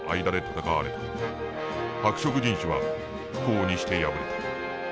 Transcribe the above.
白色人種は不幸にして敗れた。